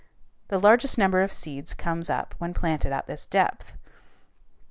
The largest number of seeds comes up when planted at this depth.